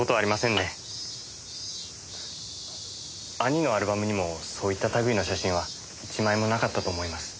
兄のアルバムにもそういった類いの写真は１枚もなかったと思います。